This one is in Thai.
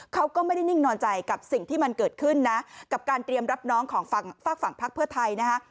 เขาก็ไม่ได้นิ่งนอนใจกับสิ่งที่มันเกิดขึ้นนะกับการเตรียมรับน้องของฝากฝั่งพักเพื่อไทยนะฮะ